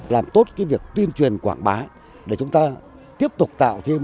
làm tốt cái việc tuyên truyền quảng bá để chúng ta tiếp tục tạo thêm